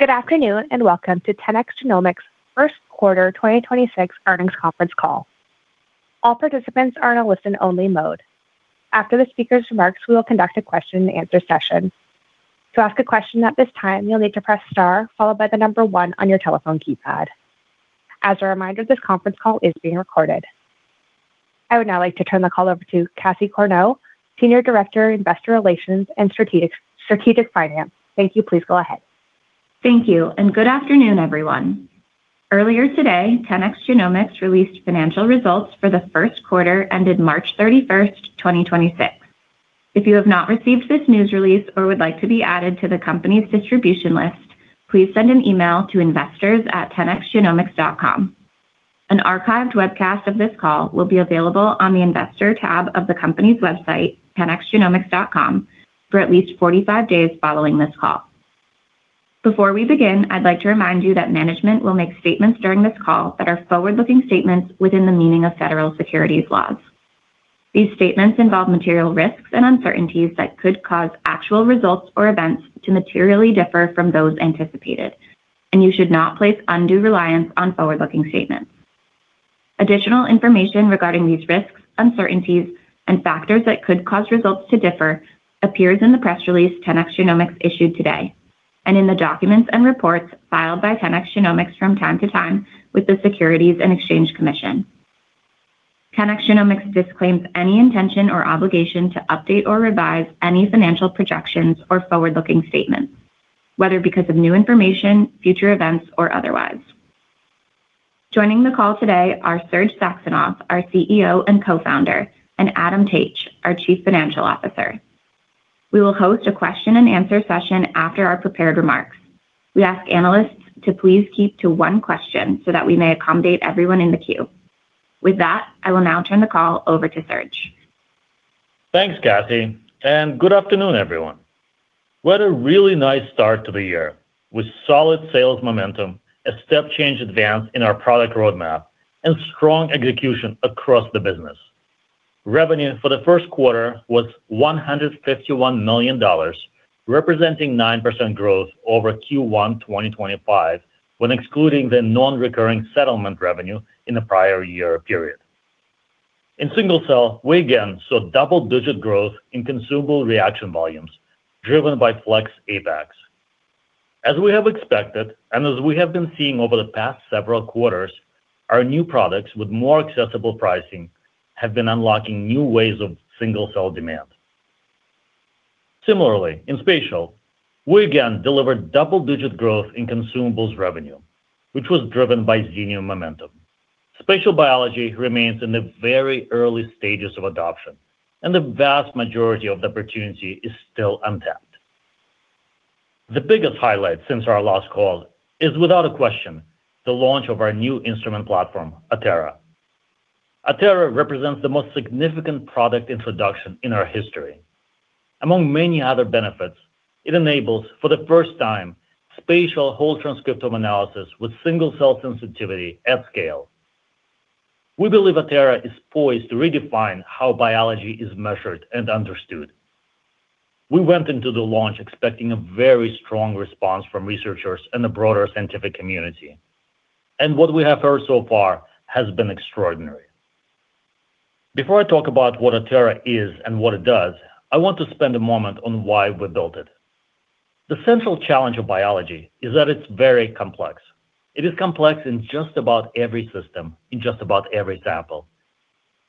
Good afternoon, and welcome to 10x Genomics First Quarter 2026 Earnings Conference Call. All participants are in a listen-only mode. After the speaker's remarks, we will conduct a question and answer session. To ask a question at this time, you'll need to press star followed by the number one on your telephone keypad. As a reminder, this conference call is being recorded. I would now like to turn the call over to Cassie Corneau, Senior Director, Investor Relations and Strategic Finance. Thank you. Please go ahead. Thank you and good afternoon, everyone. Earlier today, 10x Genomics released financial results for the first quarter ended March 31st, 2026. If you have not received this news release or would like to be added to the company's distribution list, please send an email to investors@10xgenomics.com. An archived webcast of this call will be available on the investor tab of the company's website, 10xgenomics.com, for at least 45 days following this call. Before we begin, I'd like to remind you that management will make statements during this call that are forward-looking statements within the meaning of federal securities laws. These statements involve material risks and uncertainties that could cause actual results or events to materially differ from those anticipated. You should not place undue reliance on forward-looking statements. Additional information regarding these risks, uncertainties, and factors that could cause results to differ appears in the press release 10x Genomics issued today, and in the documents and reports filed by 10x Genomics from time to time with the Securities and Exchange Commission. 10x Genomics disclaims any intention or obligation to update or revise any financial projections or forward-looking statements, whether because of new information, future events, or otherwise. Joining the call today are Serge Saxonov, our CEO and Co-Founder, and Adam Taich, our Chief Financial Officer. We will host a question and answer session after our prepared remarks. We ask analysts to please keep to one question so that we may accommodate everyone in the queue. With that, I will now turn the call over to Serge. Thanks, Cassie, good afternoon, everyone. What a really nice start to the year, with solid sales momentum, a step change advance in our product roadmap, and strong execution across the business. Revenue for the first quarter was $151 million, representing 9% growth over Q1 2025, when excluding the non-recurring settlement revenue in the prior year period. In single cell, we again saw double-digit growth in consumable reaction volumes driven by Flex Apex. As we have expected, as we have been seeing over the past several quarters, our new products with more accessible pricing have been unlocking new waves of single-cell demand. Similarly, in spatial, we again delivered double-digit growth in consumables revenue, which was driven by Xenium momentum. Spatial biology remains in the very early stages of adoption, the vast majority of the opportunity is still untapped. The biggest highlight since our last call is, without a question, the launch of our new instrument platform, Atera. Atera represents the most significant product introduction in our history. Among many other benefits, it enables, for the first time, spatial whole transcriptome analysis with single-cell sensitivity at scale. We believe Atera is poised to redefine how biology is measured and understood. We went into the launch expecting a very strong response from researchers and the broader scientific community. What we have heard so far has been extraordinary. Before I talk about what Atera is and what it does, I want to spend a moment on why we built it. The central challenge of biology is that it's very complex. It is complex in just about every system, in just about every sample.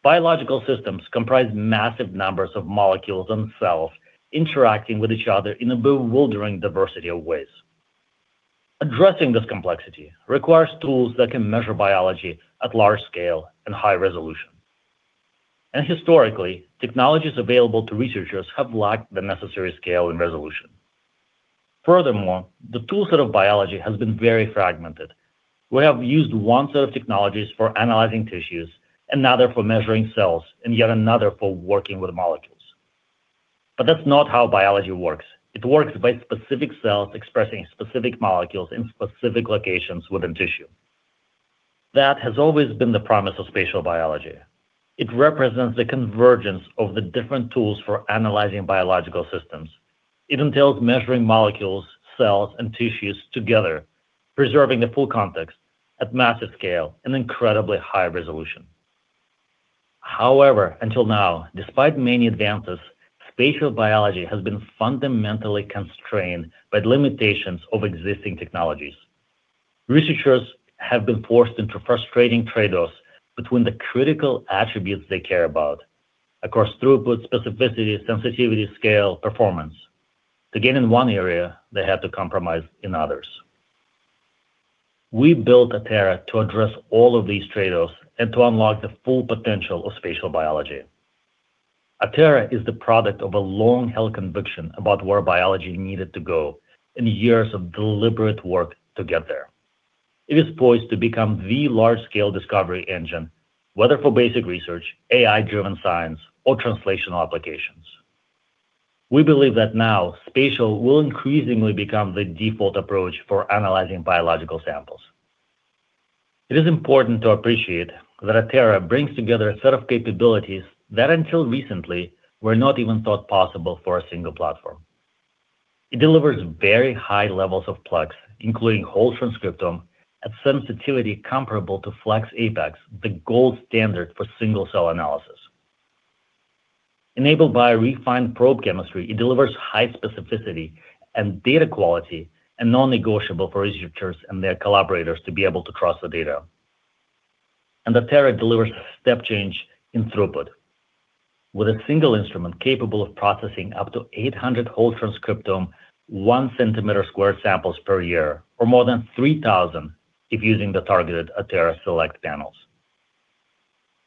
Biological systems comprise massive numbers of molecules themselves, interacting with each other in a bewildering diversity of ways. Addressing this complexity requires tools that can measure biology at large scale and high resolution. Historically, technologies available to researchers have lacked the necessary scale and resolution. Furthermore, the toolset of biology has been very fragmented. We have used one set of technologies for analyzing tissues, another for measuring cells, and yet another for working with molecules. That's not how biology works. It works by specific cells expressing specific molecules in specific locations within tissue. That has always been the promise of spatial biology. It represents the convergence of the different tools for analyzing biological systems. It entails measuring molecules, cells, and tissues together, preserving the full context at massive scale and incredibly high resolution. However, until now, despite many advances, spatial biology has been fundamentally constrained by the limitations of existing technologies. Researchers have been forced into frustrating trade-offs between the critical attributes they care about: across throughput, specificity, sensitivity, scale, performance. To gain in one area, they had to compromise in others. We built Atera to address all of these trade-offs and to unlock the full potential of spatial biology. Atera is the product of a long-held conviction about where biology needed to go and years of deliberate work to get there. It is poised to become the large-scale discovery engine, whether for basic research, AI-driven science, or translational applications. We believe that now spatial will increasingly become the default approach for analyzing biological samples. It is important to appreciate that Atera brings together a set of capabilities that until recently were not even thought possible for a single platform. It delivers very high levels of plex, including whole transcriptome at sensitivity comparable to Flex Apex, the gold standard for single-cell analysis. Enabled by refined probe chemistry, it delivers high specificity and data quality, non-negotiable for researchers and their collaborators to be able to cross the data. Atera delivers step change in throughput. With a single instrument capable of processing up to 800 whole transcriptome, 1 cm square samples per year or more than 3,000 if using the targeted Atera Select panels.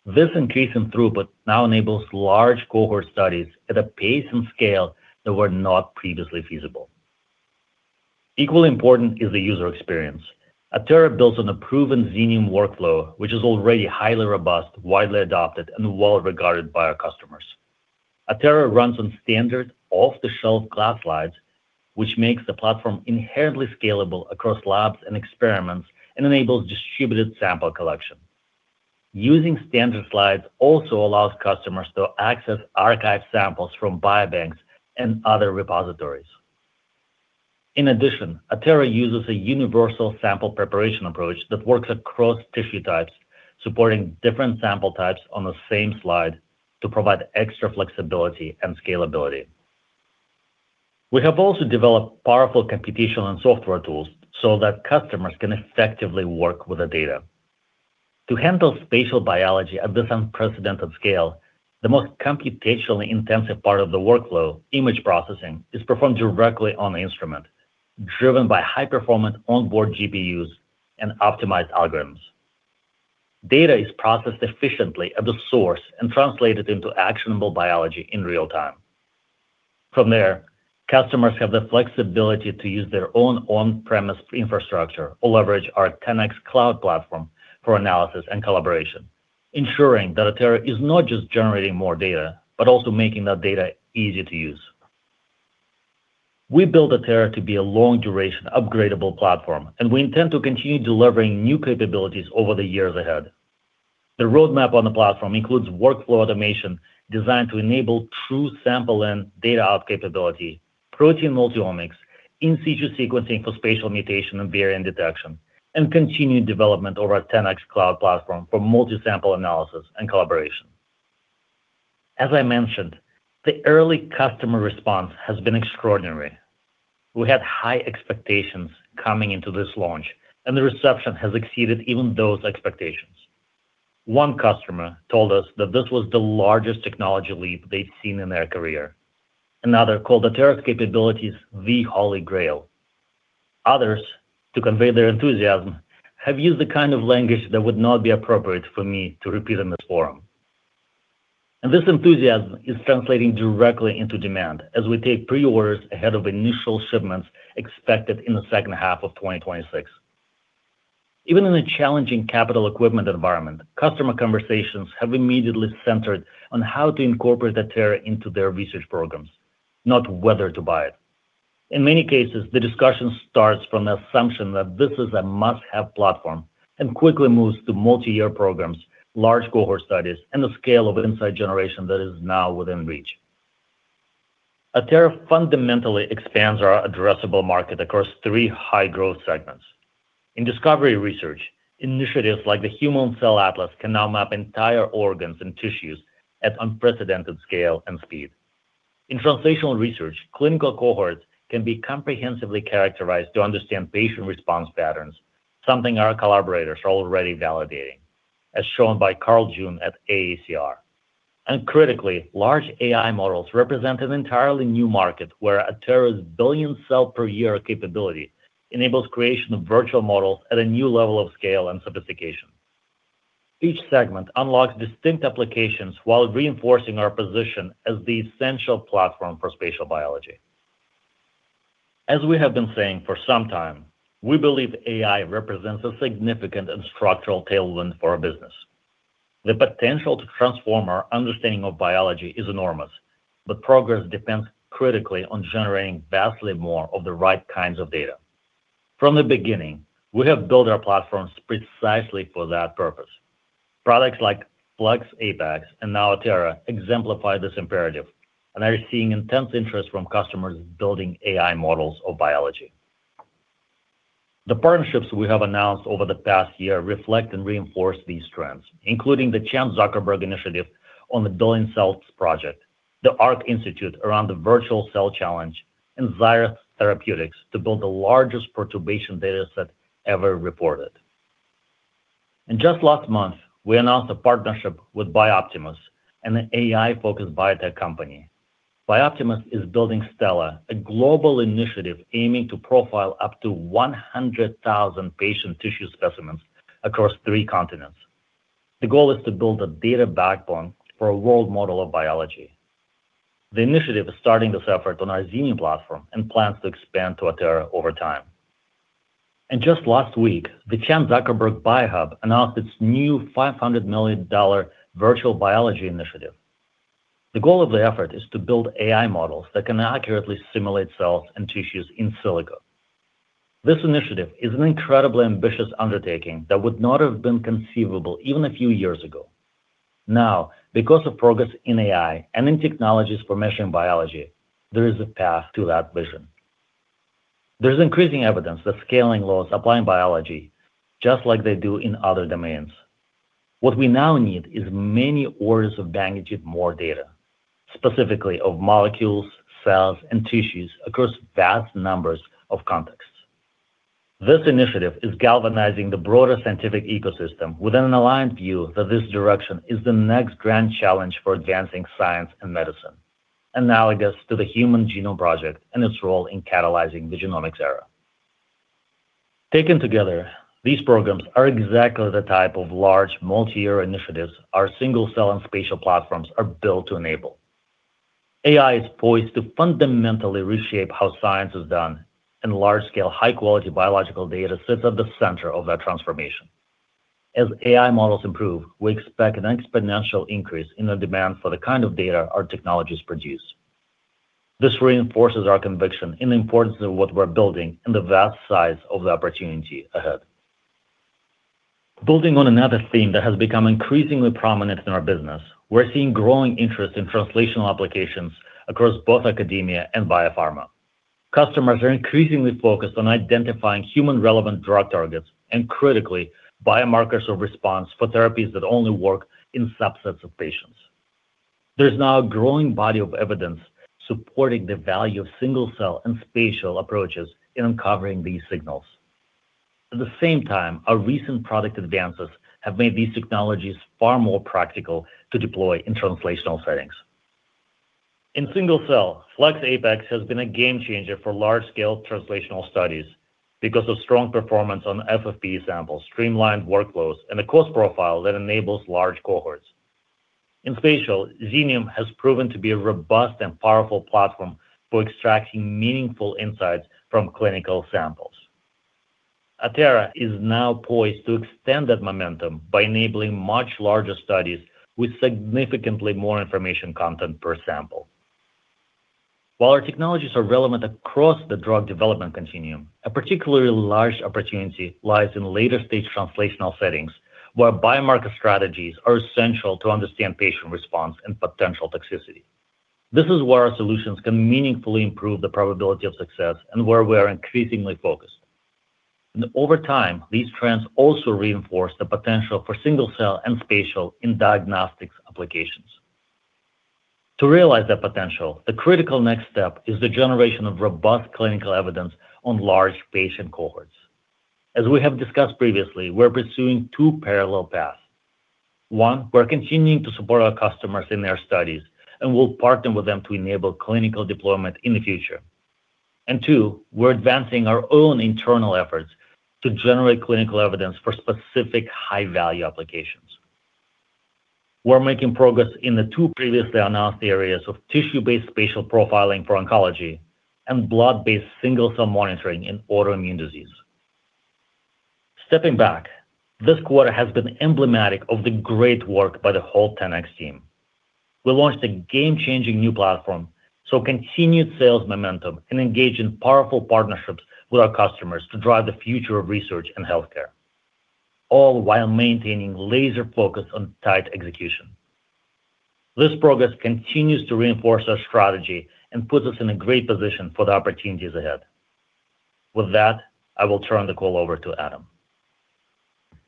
This increase in throughput now enables large cohort studies at a pace and scale that were not previously feasible. Equally important is the user experience. Atera builds on a proven Xenium workflow, which is already highly robust, widely adopted, and well-regarded by our customers. Atera runs on standard off-the-shelf glass slides, which makes the platform inherently scalable across labs and experiments and enables distributed sample collection. Using standard slides also allows customers to access archive samples from biobanks and other repositories. In addition, Atera uses a universal sample preparation approach that works across tissue types, supporting different sample types on the same slide to provide extra flexibility and scalability. We have also developed powerful computational and software tools so that customers can effectively work with the data. To handle spatial biology at this unprecedented scale, the most computationally intensive part of the workflow, image processing, is performed directly on the instrument, driven by high performance onboard GPUs and optimized algorithms. Data is processed efficiently at the source and translated into actionable biology in real time. From there, customers have the flexibility to use their own on-premise infrastructure or leverage our 10x Cloud platform for analysis and collaboration, ensuring that Atera is not just generating more data, but also making that data easy to use. We built Atera to be a long duration upgradable platform. We intend to continue delivering new capabilities over the years ahead. The roadmap on the platform includes workflow automation designed to enable true sample and data out capability, protein multiomics, in situ sequencing for spatial mutation and variant detection, and continued development over our 10x Cloud platform for multi-sample analysis and collaboration. As I mentioned, the early customer response has been extraordinary. We had high expectations coming into this launch. The reception has exceeded even those expectations. One customer told us that this was the largest technology leap they'd seen in their career. Another called Atera's capabilities, "The Holy Grail." Others, to convey their enthusiasm, have used the kind of language that would not be appropriate for me to repeat in this forum. This enthusiasm is translating directly into demand as we take pre-orders ahead of initial shipments expected in the second half of 2026. Even in a challenging capital equipment environment, customer conversations have immediately centered on how to incorporate Atera into their research programs, not whether to buy it. In many cases, the discussion starts from the assumption that this is a must-have platform and quickly moves to multi-year programs, large cohort studies, and the scale of insight generation that is now within reach. Atera fundamentally expands our addressable market across three high-growth segments. In discovery research, initiatives like the Human Cell Atlas can now map entire organs and tissues at unprecedented scale and speed. In translational research, clinical cohorts can be comprehensively characterized to understand patient response patterns, something our collaborators are already validating, as shown by Carl June at AACR. Critically, large AI models represent an entirely new market where Atera's billion cell per year capability enables creation of virtual models at a new level of scale and sophistication. Each segment unlocks distinct applications while reinforcing our position as the essential platform for spatial biology. We have been saying for some time, we believe AI represents a significant and structural tailwind for our business. The potential to transform our understanding of biology is enormous, but progress depends critically on generating vastly more of the right kinds of data. From the beginning, we have built our platforms precisely for that purpose. Products like Flex Apex and now Atera exemplify this imperative and are seeing intense interest from customers building AI models of biology. The partnerships we have announced over the past year reflect and reinforce these trends, including the Chan Zuckerberg Initiative on the Billion Cells Project, the Arc Institute around the Virtual Cell Challenge, and Xaira Therapeutics to build the largest perturbation data set ever reported. Just last month, we announced a partnership with Bioptimus, an AI-focused biotech company. Bioptimus is building STELA, a global initiative aiming to profile up to 100,000 patient tissue specimens across three continents. The goal is to build a data backbone for a world model of biology. The initiative is starting this effort on our Xenium platform and plans to expand to Atera over time. Just last week, the Chan Zuckerberg Biohub announced its new $500 million Virtual Biology Initiative. The goal of the effort is to build AI models that can accurately simulate cells and tissues in silico. This initiative is an incredibly ambitious undertaking that would not have been conceivable even a few years ago. Now, because of progress in AI and in technologies for measuring biology, there is a path to that vision. There's increasing evidence that scaling laws apply in biology just like they do in other domains. What we now need is many orders of magnitude more data, specifically of molecules, cells, and tissues across vast numbers of contexts. This initiative is galvanizing the broader scientific ecosystem within an aligned view that this direction is the next grand challenge for advancing science and medicine, analogous to the Human Genome Project and its role in catalyzing the genomics era. Taken together, these programs are exactly the type of large multiyear initiatives our single-cell and spatial platforms are built to enable. AI is poised to fundamentally reshape how science is done, and large-scale, high-quality biological data sits at the center of that transformation. As AI models improve, we expect an exponential increase in the demand for the kind of data our technologies produce. This reinforces our conviction in the importance of what we're building and the vast size of the opportunity ahead. Building on another theme that has become increasingly prominent in our business, we're seeing growing interest in translational applications across both academia and biopharma. Customers are increasingly focused on identifying human relevant drug targets and critically biomarkers of response for therapies that only work in subsets of patients. There's now a growing body of evidence supporting the value of single-cell and spatial approaches in uncovering these signals. At the same time, our recent product advances have made these technologies far more practical to deploy in translational settings. In single-cell, Flex Apex has been a game changer for large-scale translational studies because of strong performance on FFPE samples, streamlined workflows, and a cost profile that enables large cohorts. In spatial, Xenium has proven to be a robust and powerful platform for extracting meaningful insights from clinical samples. Atera is now poised to extend that momentum by enabling much larger studies with significantly more information content per sample. While our technologies are relevant across the drug development continuum, a particularly large opportunity lies in later stage translational settings, where biomarker strategies are essential to understand patient response and potential toxicity. This is where our solutions can meaningfully improve the probability of success and where we are increasingly focused. Over time, these trends also reinforce the potential for single-cell and spatial in diagnostics applications. To realize that potential, the critical next step is the generation of robust clinical evidence on large patient cohorts. As we have discussed previously, we're pursuing two parallel paths. One, we're continuing to support our customers in their studies, and we'll partner with them to enable clinical deployment in the future. Two, we're advancing our own internal efforts to generate clinical evidence for specific high-value applications. We're making progress in the two previously announced areas of tissue-based spatial profiling for oncology and blood-based single-cell monitoring in autoimmune disease. Stepping back, this quarter has been emblematic of the great work by the whole 10x team. We launched a game-changing new platform, saw continued sales momentum, and engaged in powerful partnerships with our customers to drive the future of research and healthcare, all while maintaining laser focus on tight execution. This progress continues to reinforce our strategy and puts us in a great position for the opportunities ahead. With that, I will turn the call over to Adam.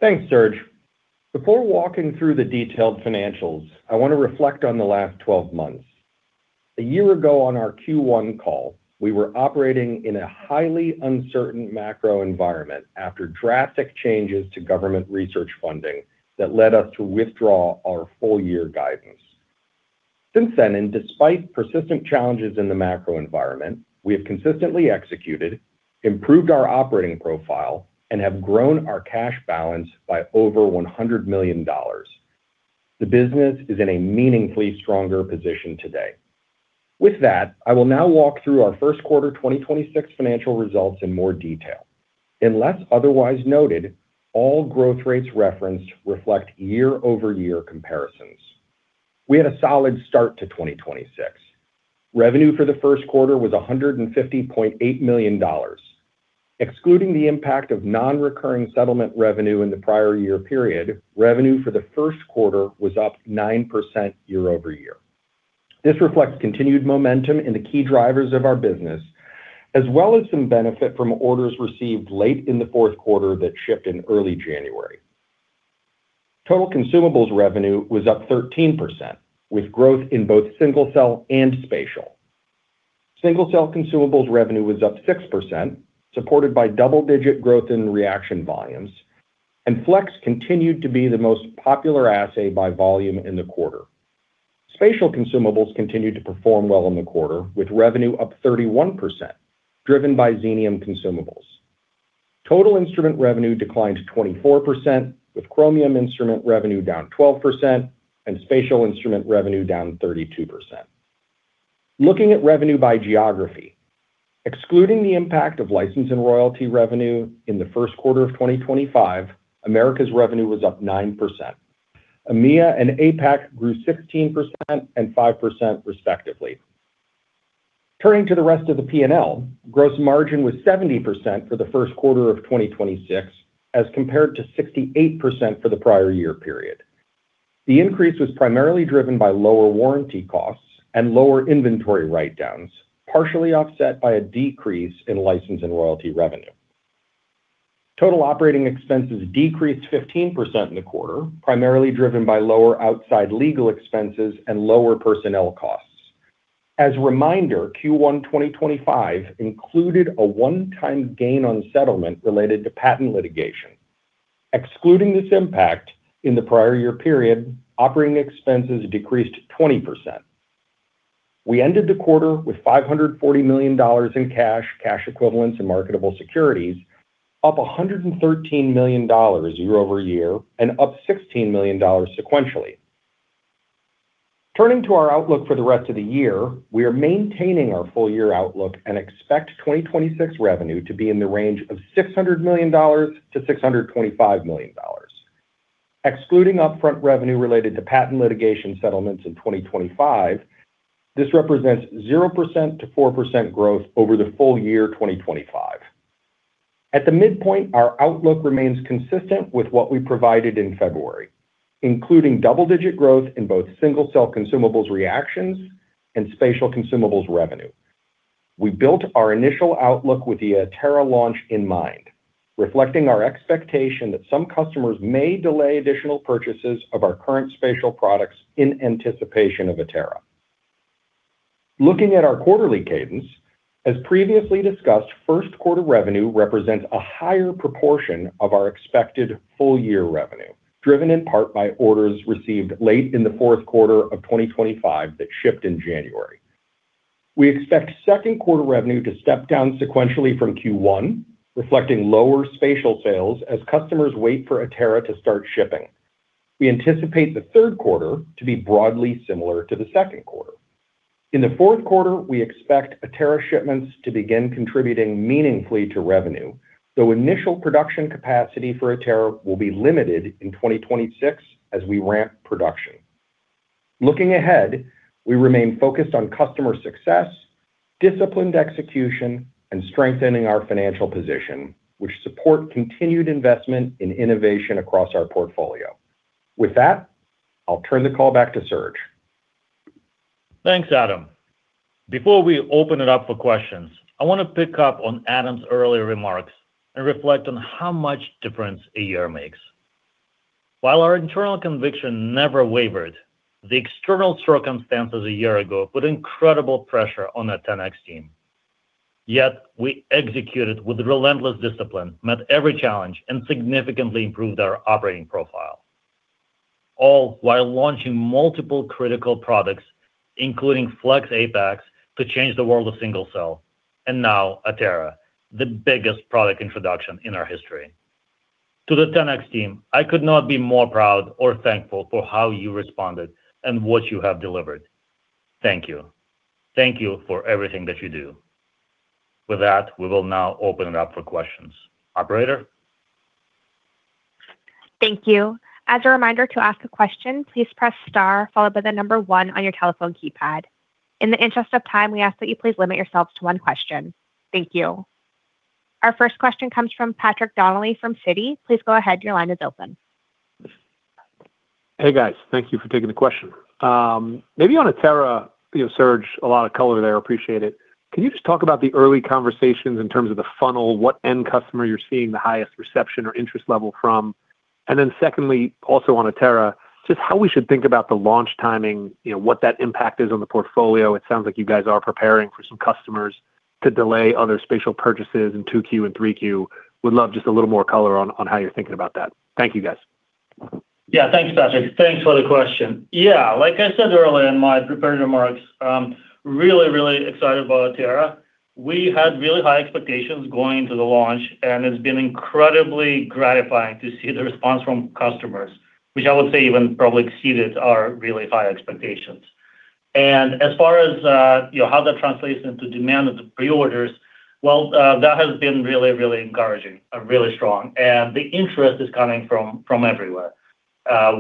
Thanks, Serge. Before walking through the detailed financials, I want to reflect on the last 12 months. A year ago on our Q1 call, we were operating in a highly uncertain macro environment after drastic changes to government research funding that led us to withdraw our full year guidance. Since then, and despite persistent challenges in the macro environment, we have consistently executed, improved our operating profile, and have grown our cash balance by over $100 million. The business is in a meaningfully stronger position today. With that, I will now walk through our first quarter 2026 financial results in more detail. Unless otherwise noted, all growth rates referenced reflect year-over-year comparisons. We had a solid start to 2026. Revenue for the first quarter was $150.8 million. Excluding the impact of non-recurring settlement revenue in the prior year period, revenue for the first quarter was up 9% year-over-year. This reflects continued momentum in the key drivers of our business, as well as some benefit from orders received late in the fourth quarter that shipped in early January. Total consumables revenue was up 13%, with growth in both single-cell and spatial. Single-cell consumables revenue was up 6%, supported by double-digit growth in reaction volumes, and Flex continued to be the most popular assay by volume in the quarter. Spatial consumables continued to perform well in the quarter, with revenue up 31%, driven by Xenium consumables. Total instrument revenue declined 24%, with Chromium instrument revenue down 12% and spatial instrument revenue down 32%. Looking at revenue by geography. Excluding the impact of license and royalty revenue in the first quarter of 2025, Americas revenue was up 9%. EMEA and APAC grew 16% and 5% respectively. Turning to the rest of the P&L, gross margin was 70% for the first quarter of 2026 as compared to 68% for the prior year period. The increase was primarily driven by lower warranty costs and lower inventory write-downs, partially offset by a decrease in license and royalty revenue. Total operating expenses decreased 15% in the quarter, primarily driven by lower outside legal expenses and lower personnel costs. As a reminder, Q1 2025 included a one-time gain on settlement related to patent litigation. Excluding this impact in the prior year period, operating expenses decreased 20%. We ended the quarter with $540 million in cash equivalents, and marketable securities, up $113 million year-over-year and up $16 million sequentially. Turning to our outlook for the rest of the year, we are maintaining our full year outlook and expect 2026 revenue to be in the range of $600 million-$625 million. Excluding upfront revenue related to patent litigation settlements in 2025, this represents 0%-4% growth over the full year 2025. At the midpoint, our outlook remains consistent with what we provided in February, including double-digit growth in both single-cell consumables reactions and spatial consumables revenue. We built our initial outlook with the Atera launch in mind, reflecting our expectation that some customers may delay additional purchases of our current spatial products in anticipation of Atera. Looking at our quarterly cadence, as previously discussed, first quarter revenue represents a higher proportion of our expected full year revenue, driven in part by orders received late in the fourth quarter of 2025 that shipped in January. We expect second quarter revenue to step down sequentially from Q1, reflecting lower spatial sales as customers wait for Atera to start shipping. We anticipate the third quarter to be broadly similar to the second quarter. In the fourth quarter, we expect Atera shipments to begin contributing meaningfully to revenue, though initial production capacity for Atera will be limited in 2026 as we ramp production. Looking ahead, we remain focused on customer success, disciplined execution, and strengthening our financial position, which support continued investment in innovation across our portfolio. With that, I'll turn the call back to Serge. Thanks, Adam. Before we open it up for questions, I want to pick up on Adam's earlier remarks and reflect on how much difference a year makes. While our internal conviction never wavered, the external circumstances a year ago put incredible pressure on the 10x team. We executed with relentless discipline, met every challenge, and significantly improved our operating profile, all while launching multiple critical products, including Flex Apex, to change the world of single cell, and now Atera, the biggest product introduction in our history. To the 10x team, I could not be more proud or thankful for how you responded and what you have delivered. Thank you. Thank you for everything that you do. With that, we will now open it up for questions. Operator. Thank you. As a reminder to ask a question, please press star followed by the number one on your telephone keypad. In the interest of time, we ask that you please limit yourselves to one question. Thank you. Our first question comes from Patrick Donnelly from Citi. Please go ahead. Your line is open. Hey, guys. Thank you for taking the question. Maybe on Atera, you know, Serge, a lot of color there. Appreciate it. Can you just talk about the early conversations in terms of the funnel, what end customer you're seeing the highest reception or interest level from? Then, secondly, also on Atera, just how we should think about the launch timing, you know, what that impact is on the portfolio. It sounds like you guys are preparing for some customers to delay other spatial purchases in 2Q and 3Q. Would love just a little more color on how you're thinking about that. Thank you, guys. Thanks, Patrick. Thanks for the question. Yeah, like I said earlier in my prepared remarks, really, really excited about Atera. We had really high expectations going into the launch, it's been incredibly gratifying to see the response from customers, which I would say even probably exceeded our really high expectations. As far as, you know, how that translates into demand of the pre-orders, well, that has been really, really encouraging, really strong. The interest is coming from everywhere.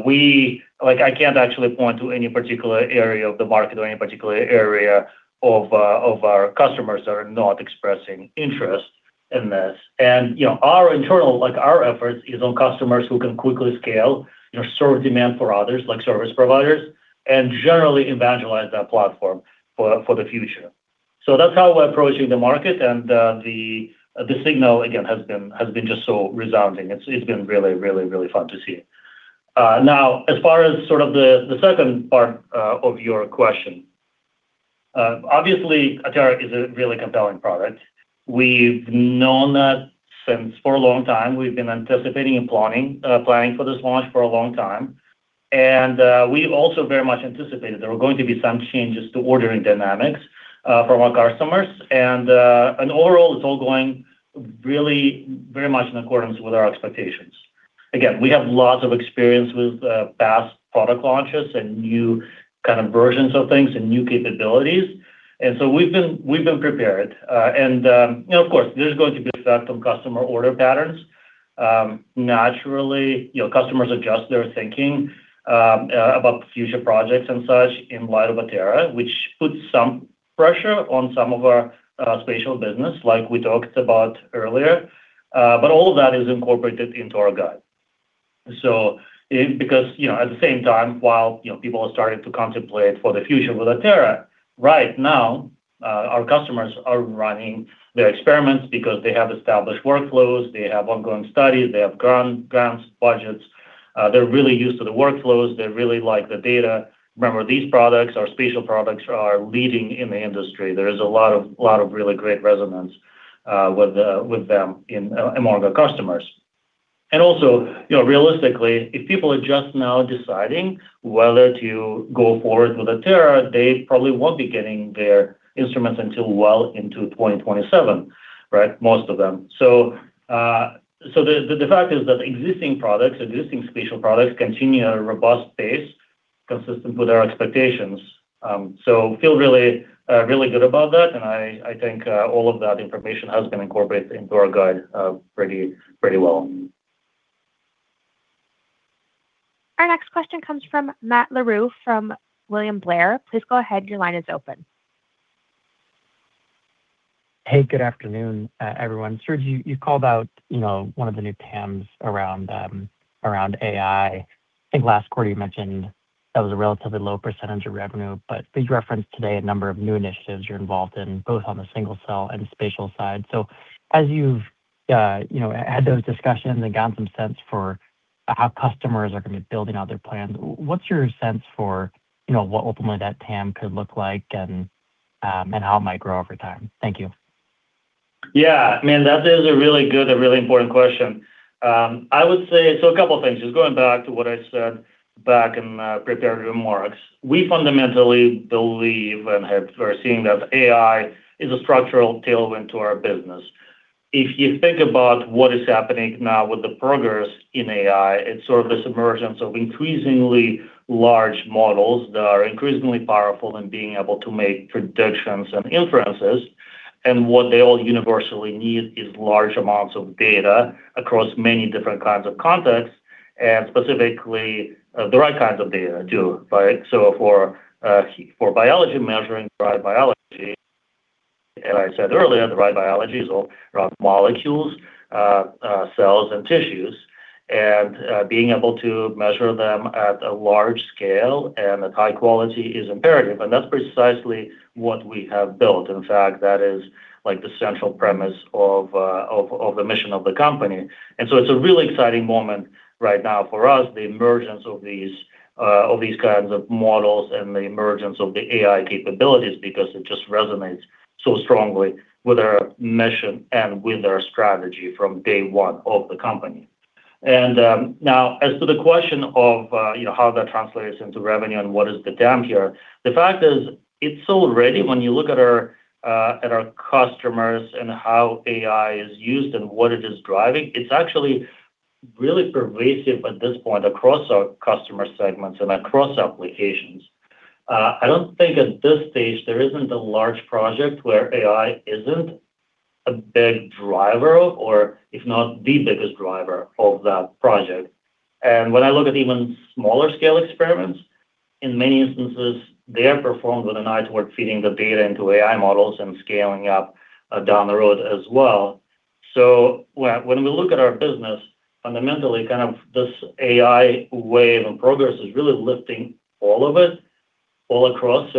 We like, I can't actually point to any particular area of the market or any particular area of our customers that are not expressing interest in this. You know, our internal, like, our efforts is on customers who can quickly scale, you know, sort of demand for others, like service providers, and generally evangelize that platform for the future. That's how we're approaching the market. The, the signal again has been just so resounding. It's, it's been really, really fun to see. Now, as far as sort of the second part of your question, obviously Atera is a really compelling product. We've known that since for a long time. We've been anticipating and planning for this launch for a long time. We also very much anticipated there were going to be some changes to ordering dynamics from our customers. Overall, it's all going really very much in accordance with our expectations. Again, we have lots of experience with past product launches and new kind of versions of things and new capabilities. We've been prepared. You know, of course, there's going to be effect on customer order patterns. Naturally, you know, customers adjust their thinking about future projects and such in light of Atera, which puts some pressure on some of our spatial business like we talked about earlier. All of that is incorporated into our guide. Because, you know, at the same time, while, you know, people are starting to contemplate for the future with Atera, right now, our customers are running their experiments because they have established workflows, they have ongoing studies, they have grants, budgets. They're really used to the workflows. They really like the data. Remember, these products, our spatial products, are leading in the industry. There is a lot of really great resonance with them among the customers. Also, you know, realistically, if people are just now deciding whether to go forward with Atera, they probably won't be getting their instruments until well into 2027, right? Most of them. The fact is that existing products, existing spatial products continue at a robust pace consistent with our expectations. Feel really good about that, and I think all of that information has been incorporated into our guide pretty well. Our next question comes from Matt Larew from William Blair. Please go ahead. Your line is open. Hey, good afternoon, everyone. Serge, you called out, you know, one of the new TAMs around AI. I think last quarter you mentioned that was a relatively low percentage of revenue, please reference today a number of new initiatives you're involved in, both on the single-cell and spatial side. As you've, you know, had those discussions and gotten some sense for how customers are gonna be building out their plans, what's your sense for, you know, what ultimately that TAM could look like and how it might grow over time? Thank you. Yeah. I mean, that is a really good, a really important question. I would say so a couple things, just going back to what I said back in my prepared remarks. We fundamentally believe we're seeing that AI is a structural tailwind to our business. If you think about what is happening now with the progress in AI, it's sort of this emergence of increasingly large models that are increasingly powerful in being able to make predictions and inferences. What they all universally need is large amounts of data across many different kinds of contexts, and specifically, the right kinds of data too, right? For biology, measuring the right biology, and I said earlier, the right biology is all around molecules, cells and tissues. Being able to measure them at a large scale and at high quality is imperative, and that's precisely what we have built. In fact, that is like the central premise of the mission of the company. It's a really exciting moment right now for us, the emergence of these kinds of models and the emergence of the AI capabilities, because it just resonates so strongly with our mission and with our strategy from day one of the company. Now as to the question of, you know, how that translates into revenue and what is the TAM here, the fact is it's already, when you look at our customers and how AI is used and what it is driving, it's actually really pervasive at this point across our customer segments and across applications. I don't think at this stage there isn't a large project where AI isn't a big driver of or if not the biggest driver of that project. When I look at even smaller scale experiments, in many instances, they are performed with an eye toward feeding the data into AI models and scaling up down the road as well. When we look at our business, fundamentally kind of this AI wave and progress is really lifting all of it all across.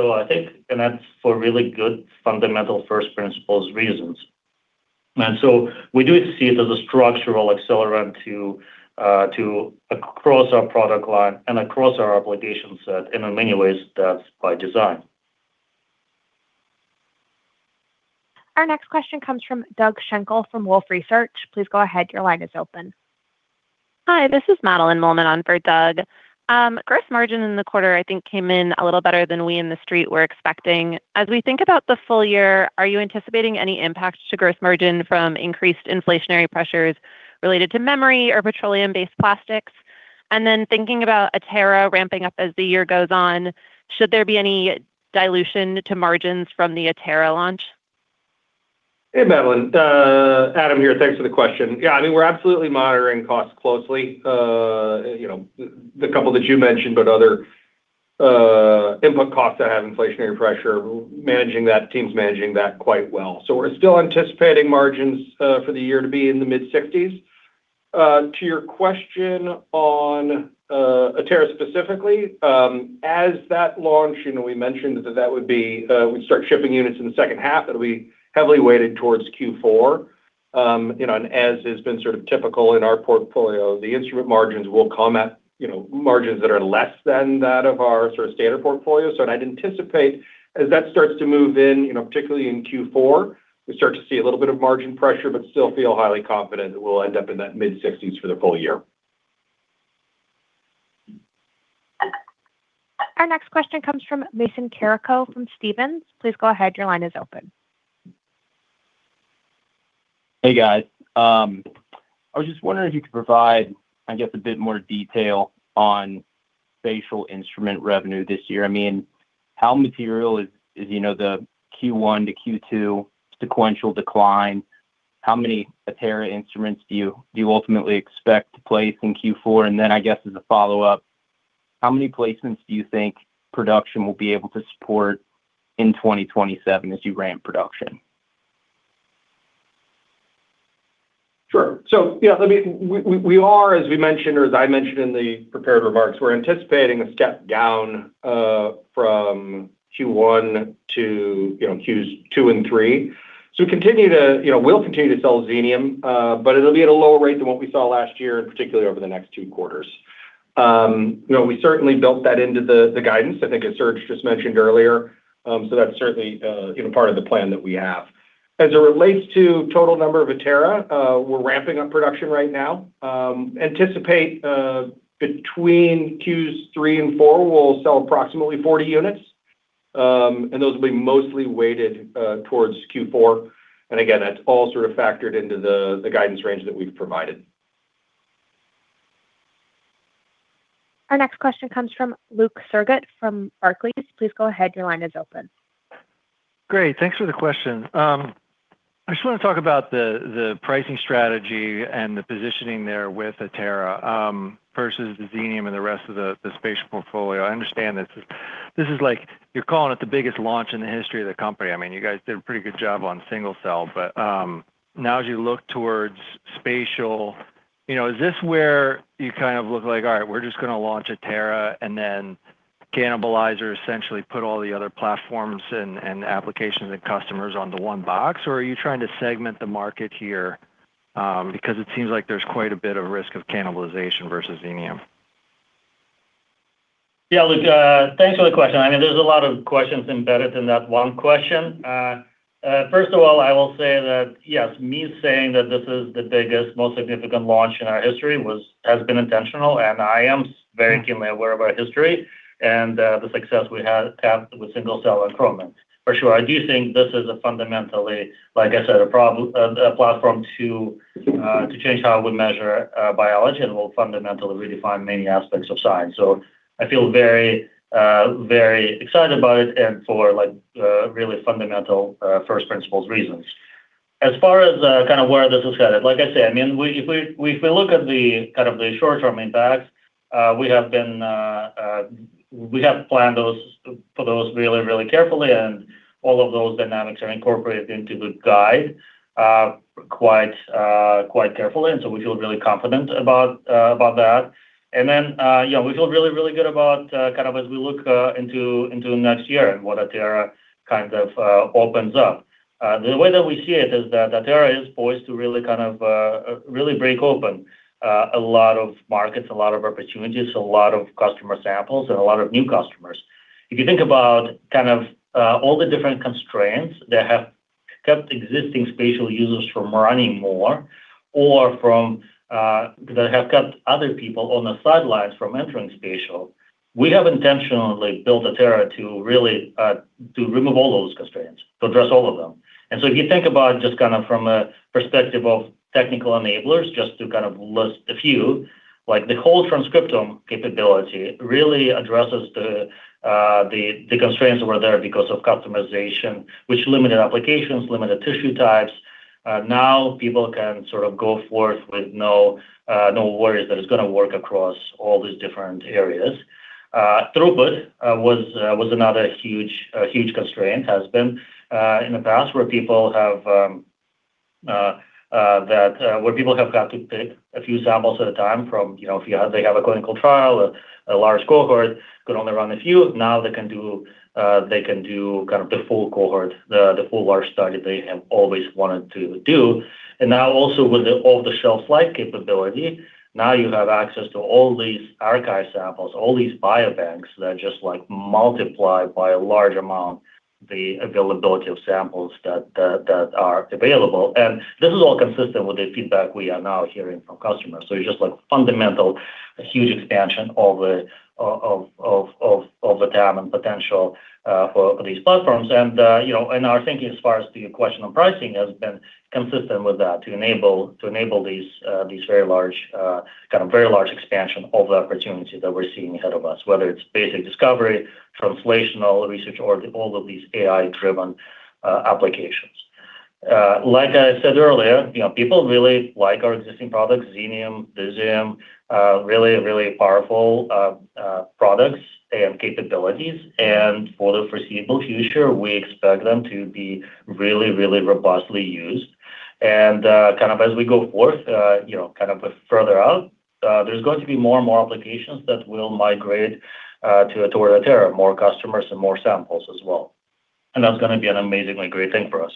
That's for really good fundamental first principles reasons. We do see it as a structural accelerant to across our product line and across our application set. In many ways, that's by design. Our next question comes from Doug Schenkel from Wolfe Research. Please go ahead. Your line is open. Hi, this is Madeline Mollman for Doug. Gross margin in the quarter I think came in a little better than we in the street were expecting. As we think about the full year, are you anticipating any impact to gross margin from increased inflationary pressures related to memory or petroleum-based plastics? Then thinking about Atera ramping up as the year goes on, should there be any dilution to margins from the Atera launch? Hey, Madeline. Adam here. Thanks for the question. I mean, we're absolutely monitoring costs closely, you know, the couple that you mentioned, but other input costs that have inflationary pressure, teams managing that quite well. We're still anticipating margins for the year to be in the mid-60s%. To your question on Atera specifically, as that launch, you know, we mentioned that that would be, we'd start shipping units in the second half. It'll be heavily weighted towards Q4. you know, as has been sort of typical in our portfolio, the instrument margins will come at, you know, margins that are less than that of our sort of standard portfolio. I'd anticipate as that starts to move in, you know, particularly in Q4, we start to see a little bit of margin pressure, but still feel highly confident that we'll end up in that mid-sixties for the full year. Our next question comes from Mason Carrico from Stephens. Please go ahead. Your line is open. Hey, guys. I was just wondering if you could provide, I guess, a bit more detail on spatial instrument revenue this year. I mean, how material is, you know, the Q1 to Q2 sequential decline? How many Atera instruments do you ultimately expect to place in Q4? I guess as a follow-up, how many placements do you think production will be able to support in 2027 as you ramp production? Sure. You know, I mean, we are as we mentioned or as I mentioned in the prepared remarks, we're anticipating a step down from Q1 to, you know, Q2 and Q3. We continue to, you know, we'll continue to sell Xenium, but it'll be at a lower rate than what we saw last year, and particularly over the next two quarters. You know, we certainly built that into the guidance, I think as Serge just mentioned earlier. That's certainly, you know, part of the plan that we have. As it relates to total number of Atera, we're ramping up production right now. Anticipate between Q3 and Q4, we'll sell approximately 40 units. Those will be mostly weighted towards Q4. Again, that's all sort of factored into the guidance range that we've provided. Our next question comes from Luke Sergott from Barclays. Please go ahead. Your line is open. Great. Thanks for the question. I just want to talk about the pricing strategy and the positioning there with Atera versus the Xenium and the rest of the spatial portfolio. I understand this is like, you're calling it the biggest launch in the history of the company. I mean, you guys did a pretty good job on single-cell, now as you look towards spatial, you know, is this where you kind of look like, all right, we're just gonna launch Atera and then cannibalize or essentially put all the other platforms and applications and customers onto one box? Or are you trying to segment the market here? Because it seems like there's quite a bit of risk of cannibalization versus Xenium. Yeah, Luke, thanks for the question. I mean, there's a lot of questions embedded in that one question. First of all, I will say that, yes, me saying that this is the biggest, most significant launch in our history has been intentional, and I am very keenly aware of our history and the success we have with single-cell and Chromium. For sure, I do think this is a fundamentally, like I said, a platform to change how we measure biology and will fundamentally redefine many aspects of science. I feel very, very excited about it and for like really fundamental first principles reasons. As far as, kind of where this is headed, like I said, I mean, if we look at the kind of the short-term impact, we have planned for those really carefully and all of those dynamics are incorporated into the guide, quite carefully, we feel really confident about that. Then, yeah, we feel really, really good about kind of as we look into next year and what Atera kind of opens up. The way that we see it is that Atera is poised to really kind of, really break open a lot of markets, a lot of opportunities, a lot of customer samples and a lot of new customers. If you think about all the different constraints that have kept existing spatial users from running more or from that have kept other people on the sidelines from entering spatial, we have intentionally built Atera to remove all those constraints, to address all of them. If you think about from a perspective of technical enablers, just to kind of list a few, like the whole transcriptome capability really addresses the constraints that were there because of customization, which limited applications, limited tissue types. Now people can go forth with no worries that it's going to work across all these different areas. Throughput was another huge, huge constraint, has been in the past where people have got to pick a few samples at a time from, you know, if they have a clinical trial, a large cohort could only run a few. Now they can do kind of the full cohort, the full large study they have always wanted to do. Now also with the off-the-shelf-like capability, now you have access to all these archive samples, all these biobanks that just like multiply by a large amount the availability of samples that are available. This is all consistent with the feedback we are now hearing from customers. It's just like fundamental, a huge expansion of the TAM and potential for these platforms. You know, and our thinking as far as the question on pricing has been consistent with that to enable these very large, kind of very large expansion of the opportunity that we're seeing ahead of us, whether it's basic discovery, translational research, or all of these AI-driven applications. Like I said earlier, you know, people really like our existing products, Xenium, Visium, really, really powerful products and capabilities. For the foreseeable future, we expect them to be really, really robustly used. Kind of as we go forth, you know, kind of further out, there's going to be more and more applications that will migrate toward Atera, more customers and more samples as well. That's going to be an amazingly great thing for us.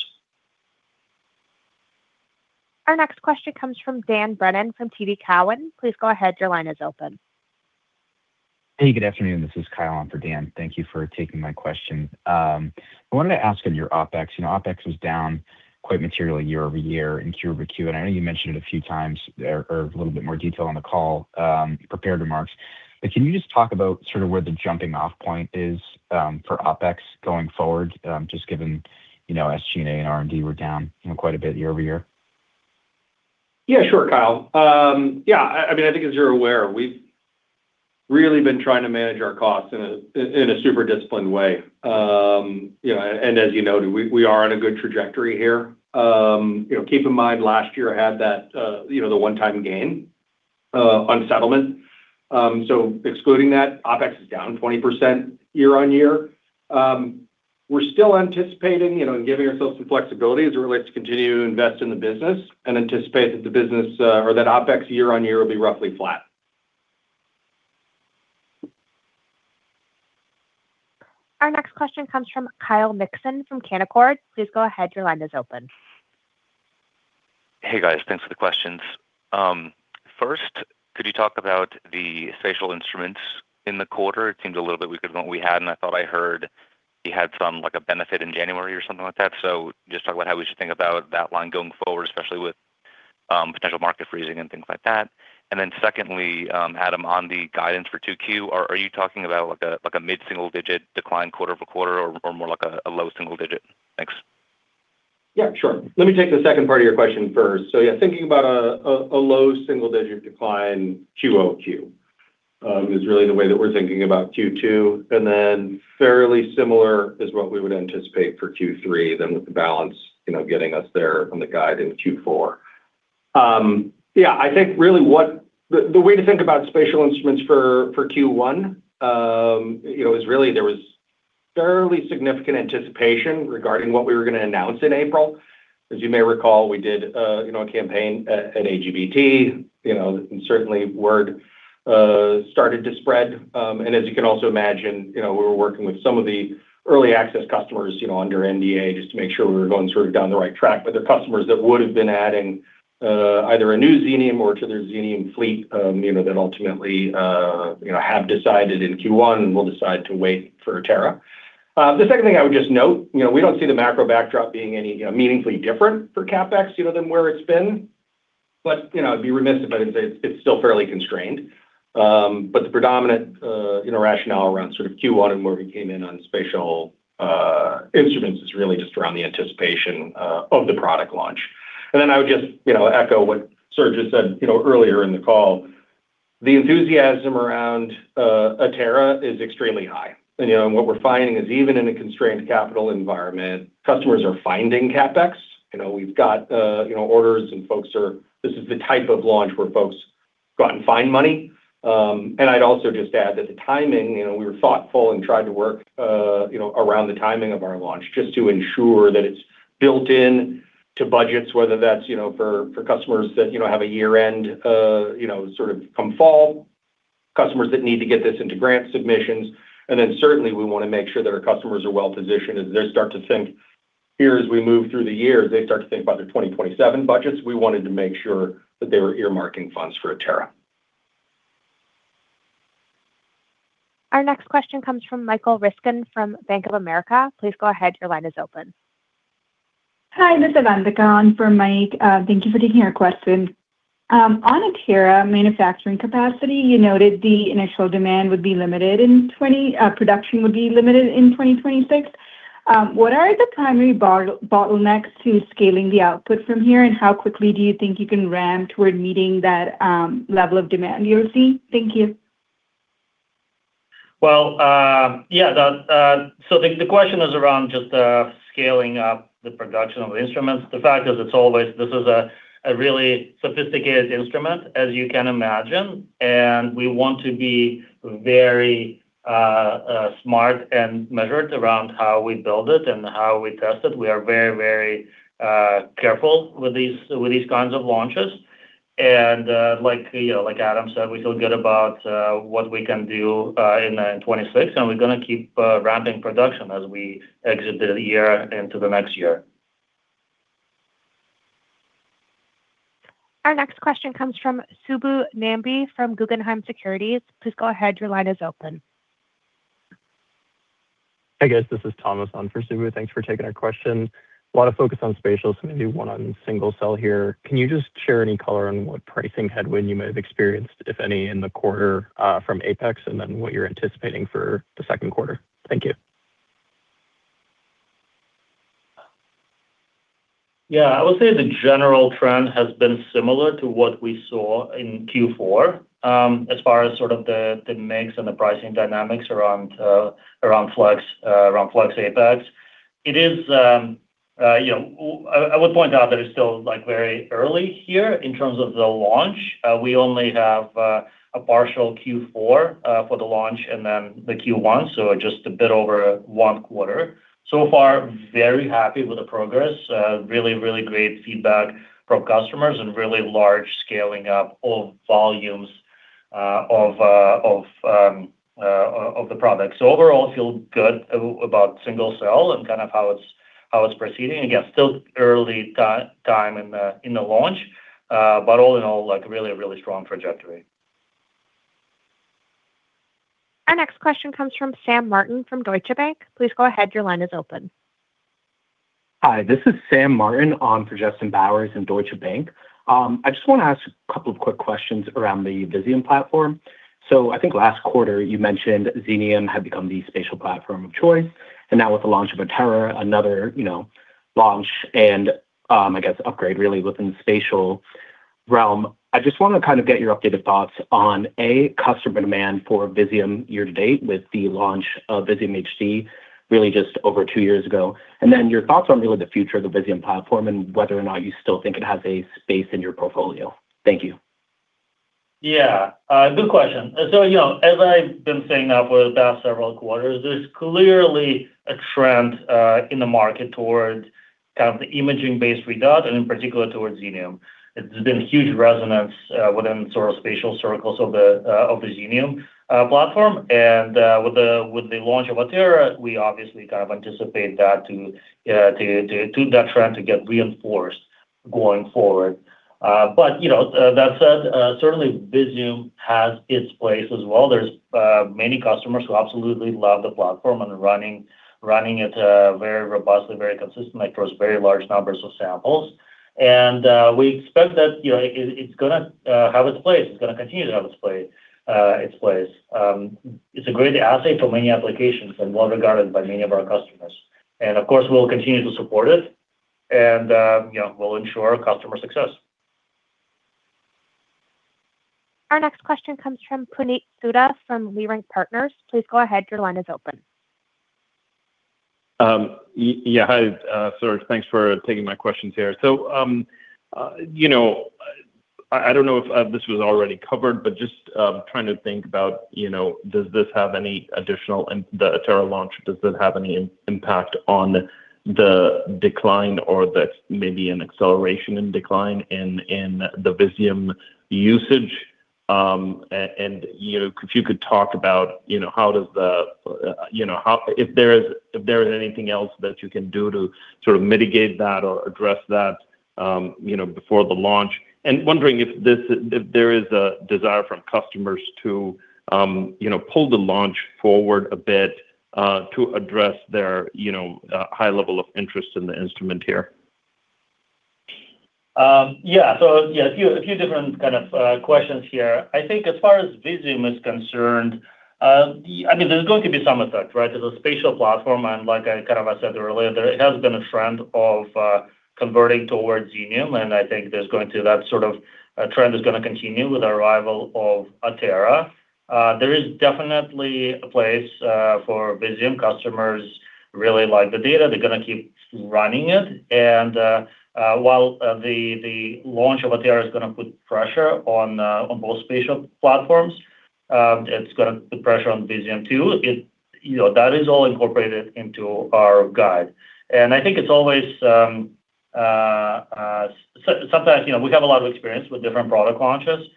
Our next question comes from Dan Brennan from TD Cowen. Please go ahead. Your line is open. Hey, good afternoon. This is Kyle on for Dan. Thank you for taking my question. I wanted to ask on your OpEx. You know, OpEx was down quite materially year-over-year and quarter-over-quarter. I know you mentioned it a few times or a little bit more detail on the call, prepared remarks. Can you just talk about sort of where the jumping off point is for OpEx going forward? Just given, you know, as G&A and R&D were down, you know, quite a bit year-over-year. Yeah, sure, Kyle. I mean, I think as you're aware, we've really been trying to manage our costs in a super disciplined way. You know, and as you noted, we are on a good trajectory here. You know, keep in mind last year had that, you know, the one-time gain on settlement. Excluding that, OpEx is down 20% year-on-year. We're still anticipating, you know, and giving ourselves some flexibility as it relates to continue to invest in the business and anticipate that the business, or that OpEx year-on-year will be roughly flat. Our next question comes from Kyle Mikson from Canaccord. Please go ahead. Your line is open. Hey, guys. Thanks for the questions. First, could you talk about the spatial instruments in the quarter? It seems a little bit weaker than what we had, and I thought I heard you had some, like a benefit in January or something like that. Just talk about how we should think about that line going forward, especially with potential market freezing and things like that. Secondly, Adam, on the guidance for 2Q. Are you talking about like a mid-single digit decline quarter-over-quarter or more like a low single digit? Thanks. Yeah, sure. Let me take the second part of your question first. Yeah, thinking about a low single digit decline QoQ is really the way that we're thinking about Q2. Then, fairly similar is what we would anticipate for Q3 with the balance, you know, getting us there on the guide in Q4. Yeah, I think really the way to think about spatial instruments for Q1, you know, is really there was fairly significant anticipation regarding what we were going to announce in April. As you may recall, we did, you know, a campaign at AGBT. You know, certainly word started to spread. As you can also imagine, you know, we were working with some of the early access customers, you know, under NDA just to make sure we were going sort of down the right track. They're customers that would've been adding, either a new Xenium or to their Xenium fleet, you know, that ultimately, you know, have decided in Q1 and will decide to wait for Atera. The second thing I would just note, you know, we don't see the macro backdrop being any, you know, meaningfully different for CapEx, you know, than where it's been. You know, I'd be remiss if I didn't say it's still fairly constrained. The predominant, you know, rationale around sort of Q1 and where we came in on spatial instruments is really just around the anticipation of the product launch. I would just, you know, echo what Serge just said, you know, earlier in the call. The enthusiasm around Atera is extremely high. You know, what we're finding is even in a constrained capital environment, customers are finding CapEx. You know, we've got, you know, orders, and folks, this is the type of launch where folks go out and find money. I'd also just add that the timing, you know, we were thoughtful and tried to work, you know, around the timing of our launch just to ensure that it's built in to budgets, whether that's, you know, for customers that, you know, have a year-end, you know, sort of come fall, customers that need to get this into grant submissions. Then certainly we wanna make sure that our customers are well-positioned as they start to think here as we move through the year, as they start to think about their 2027 budgets, we wanted to make sure that they were earmarking funds for Atera. Our next question comes from Michael Ryskin from Bank of America. Please go ahead. Your line is open. Hi, this is Avnika on for Mike. Thank you for taking our question. On Atera manufacturing capacity, you noted the initial demand would be limited in 20— production would be limited in 2026. What are the primary bottlenecks to scaling the output from here, and how quickly do you think you can ramp toward meeting that level of demand you're seeing? Thank you. Well, yeah, the question is around just scaling up the production of instruments. The fact is this is a really sophisticated instrument, as you can imagine, and we want to be very smart and measured around how we build it and how we test it. We are very careful with these kinds of launches. Like you know, like Adam said, we feel good about what we can do in 2026, and we're gonna keep ramping production as we exit the year into the next year. Our next question comes from Subbu Nambi from Guggenheim Securities. Please go ahead. Your line is open. Hey, guys. This is Thomas on for Subbu. Thanks for taking our question. A lot of focus on spatial, maybe one on single cell here. Can you just share any color on what pricing headwind you may have experienced, if any, in the quarter, from Apex and then what you're anticipating for the second quarter? Thank you. Yeah. I would say the general trend has been similar to what we saw in Q4, as far as sort of the mix and the pricing dynamics around Flex, around Flex Apex. It is, you know, I would point out that it's still like very early here in terms of the launch. We only have a partial Q4 for the launch and then the Q1, so just a bit over one quarter. So far, very happy with the progress. Really, really great feedback from customers and really large scaling up of volumes of the product. So overall feel good about single cell and kind of how it's, how it's proceeding. Again, still early time in the launch. All in all, like really, really strong trajectory. Our next question comes from Sam Martin from Deutsche Bank. Please go ahead. Your line is open. Hi, this is Sam Martin on for Justin Bowers in Deutsche Bank. I just wanna ask a couple of quick questions around the Visium platform. I think last quarter you mentioned Xenium had become the spatial platform of choice, and now with the launch of Atera, another, you know, launch and, I guess upgrade really within the spatial realm. I just wanna kind of get your updated thoughts on a customer demand for Visium year to date with the launch of Visium HD really just over two years ago. Your thoughts on really the future of the Visium platform and whether or not you still think it has a space in your portfolio. Thank you. Yeah. good question. You know, as I've been saying now for the past several quarters, there's clearly a trend in the market towards kind of the imaging-based readout and in particular towards Xenium. It's been a huge resonance within sort of spatial circles of the of the Xenium platform. With the launch of Atera, we obviously kind of anticipate that to that trend to get reinforced going forward. You know, that said, certainly Visium has its place as well. There's many customers who absolutely love the platform and are running it very robustly, very consistently across very large numbers of samples. We expect that, you know, it's gonna have its place. It's gonna continue to have its place. It's a great assay for many applications and well regarded by many of our customers. Of course, we'll continue to support it and, you know, we'll ensure customer success. Our next question comes from Puneet Souda from Leerink Partners. Please go ahead, your line is open. Hi, Serge. Thanks for taking my questions here. You know, I don't know if this was already covered, but just trying to think about, you know, does this have any additional and the Atera launch, does this have any impact on the decline or the maybe an acceleration in decline in the Visium usage? You know, if you could talk about, you know, how does the, you know, if there is anything else that you can do to sort of mitigate that or address that, you know, before the launch. Wondering if there is a desire from customers to, you know, pull the launch forward a bit to address their, you know, high level of interest in the instrument here. Yeah. A few different kind of questions here. I think as far as Visium is concerned, I mean, there's going to be some effect, right? There's a spatial platform and like I kind of said earlier, it has been a trend of converting towards Xenium, and I think that sort of trend is gonna continue with the arrival of Atera. There is definitely a place for Visium customers really like the data. They're gonna keep running it. While the launch of Atera is gonna put pressure on both spatial platforms, it's gonna put pressure on Visium too. You know, that is all incorporated into our guide. I think it's always, you know, sometimes we have a lot of experience with different product launches.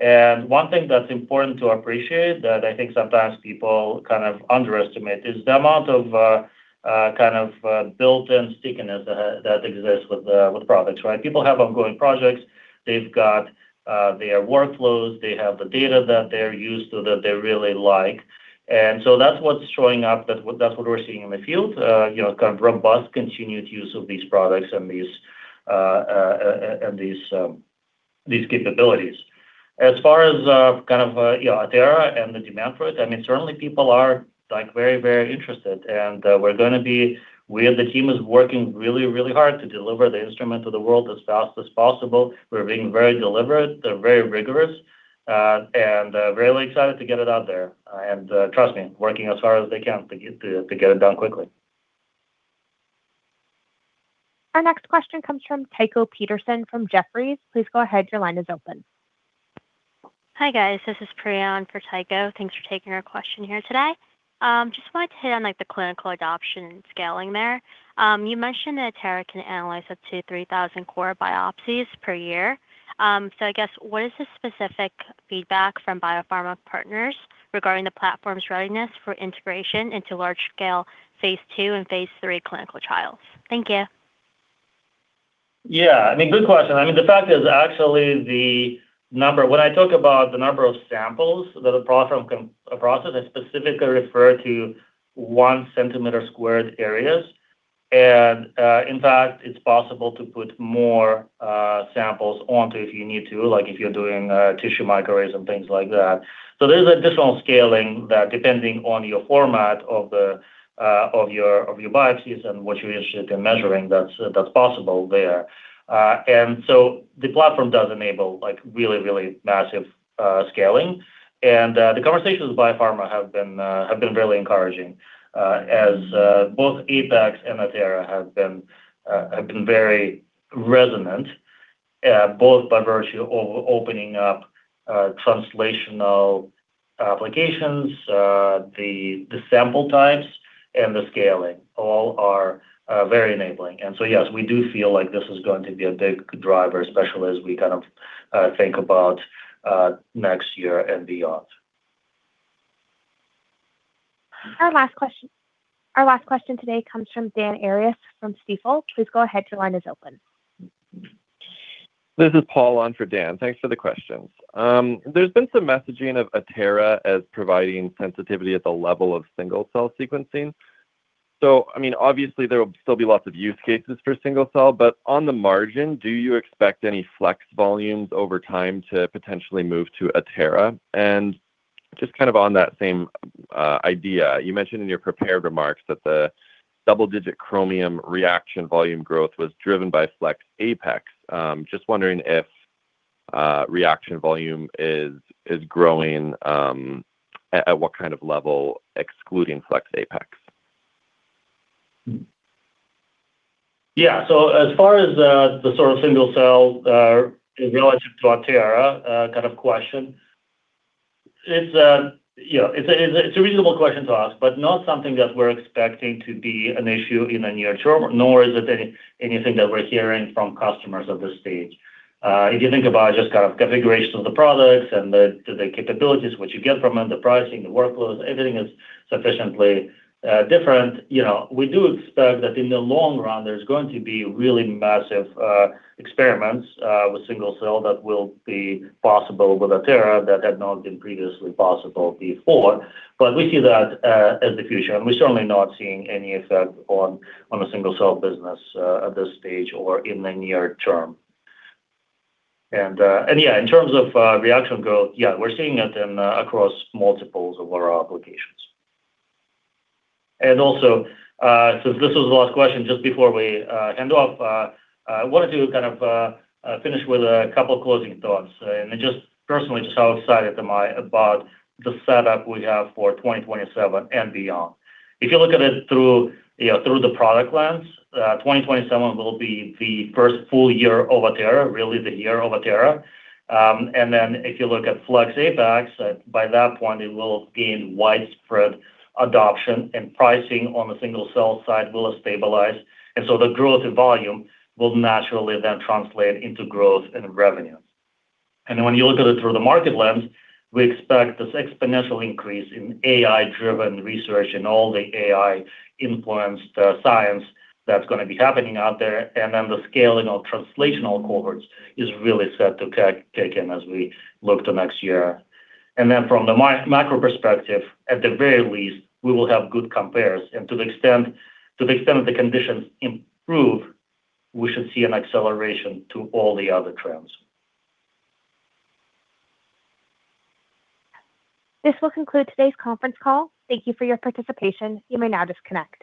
One thing that's important to appreciate that I think sometimes people kind of underestimate is the amount of kind of built-in stickiness that exists with products, right? People have ongoing projects. They've got their workflows. They have the data that they're used to, that they really like. That's what's showing up. That's what we're seeing in the field. You know, kind of robust, continued use of these products and these capabilities. As far as, you know, Atera and the demand for it, I mean, certainly people are, like very, very interested. We as a team is working really, really hard to deliver the instrument to the world as fast as possible. We're being very deliberate, very rigorous, and really excited to get it out there. Trust me, working as hard as they can to get it done quickly. Our next question comes from Tycho Peterson from Jefferies. Please go ahead, your line is open. Hi, guys. This is Priya on for Tycho. Thanks for taking our question here today. Just wanted to hit on, like the clinical adoption scaling there. You mentioned that Atera can analyze up to 3,000 core biopsies per year. I guess what is the specific feedback from biopharma partners regarding the platform's readiness for integration into large scale phase II and phase III clinical trials? Thank you. Yeah. I mean, good question. I mean, when I talk about the number of samples that a platform can process, I specifically refer to 1 cm sq areas. In fact, it's possible to put more samples onto if you need to, like if you're doing tissue microarrays and things like that. There's additional scaling that depending on your format of the of your of your biopsies and what you're interested in measuring, that's possible there. The platform does enable, like really, really massive scaling. The conversations with biopharma have been really encouraging. As both Apex and Atera have been very resonant, both by virtue of opening up translational applications, the sample types and the scaling all are very enabling. Yes, we do feel like this is going to be a big driver, especially as we kind of think about next year and beyond. Our last question today comes from Dan Arias from Stifel. Please go ahead, your line is open. This is Paul on for Dan. Thanks for the questions. There's been some messaging of Atera as providing sensitivity at the level of single-cell sequencing. I mean, obviously, there will still be lots of use cases for single cell, but on the margin, do you expect any Flex volumes over time to potentially move to Atera? Just kind of on that same idea, you mentioned in your prepared remarks that the double-digit Chromium reaction volume growth was driven by FlexApex. Just wondering if reaction volume is growing at what kind of level excluding FlexApex? Yeah. As far as the sort of single cell relative to Atera kind of question, it's, you know, it's a reasonable question to ask, but not something that we're expecting to be an issue in the near term, nor is it anything that we're hearing from customers at this stage. If you think about just kind of configuration of the products and the capabilities which you get from them, the pricing, the workloads, everything is sufficiently different. You know, we do expect that in the long run, there's going to be really massive experiments with single cell that will be possible with Atera that had not been previously possible before. We see that as the future, and we're certainly not seeing any effect on a single cell business at this stage or in the near term. In terms of reaction growth, we're seeing it across multiples of our applications. Also, this was the last question just before we hand off. I wanted to kind of finish with a couple closing thoughts. Just personally just how excited am I about the setup we have for 2027 and beyond. If you look at it through, you know, through the product lens, 2027 will be the first full year of Atera, really the year of Atera. Then, if you look at Flex Apex, by that point it will gain widespread adoption, pricing on the single cell side will stabilize. The growth in volume will naturally then translate into growth and revenue. When you look at it through the market lens, we expect this exponential increase in AI-driven research and all the AI-influenced science that's gonna be happening out there. The scaling of translational cohorts is really set to take in as we look to next year. Then, from the macro perspective, at the very least, we will have good compares. To the extent that the conditions improve, we should see an acceleration to all the other trends. This will conclude today's conference call. Thank you for your participation. You may now disconnect.